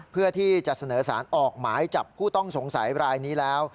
เพื่อที่จะเสนอสารออกหมายจับผู้ต้องสงสัยรายนี้แล้ว